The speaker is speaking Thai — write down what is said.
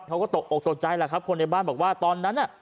เขาก็ตกโอกตัวใจแล้วครับคนในบ้านบอกว่าตอนนั้น